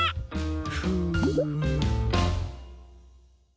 フーム。